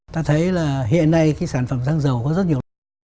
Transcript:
ta thấy là hiện nay cái sản phẩm xăng dầu có rất nhiều lợi ích